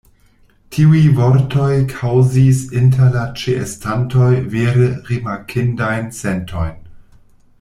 Tiuj vortoj kaŭzis inter la ĉeestantoj vere rimarkindajn sentojn.